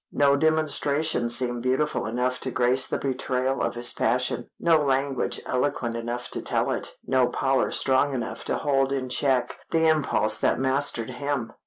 No demonstration seemed beautiful enough to grace the betrayal of his passion, no language eloquent enough to tell it, no power strong enough to hold in check the impulse that mastered him.